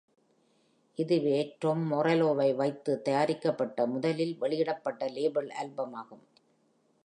இதுவே Tom Morelloவை வைத்து தயாரிக்கப்பட்ட முதலில் வெளியிடப்பட்ட லேபிள் ஆல்பமகும்.